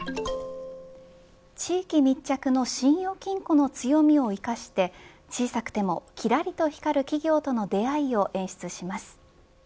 地域密着の信用金庫の強みを生かして小さくてもきらりと光る企業との出会いを演出します。